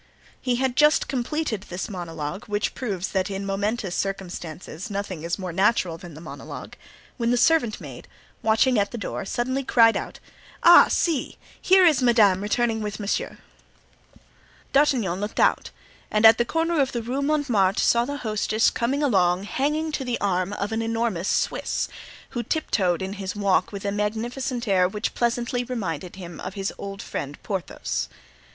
He had just completed this monologue—which proves that in momentous circumstances nothing is more natural than the monologue—when the servant maid, watching at the door, suddenly cried out: "Ah! see! here is madame returning with monsieur." D'Artagnan looked out and at the corner of Rue Montmartre saw the hostess coming along hanging to the arm of an enormous Swiss, who tiptoed in his walk with a magnificent air which pleasantly reminded him of his old friend Porthos.